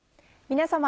皆様。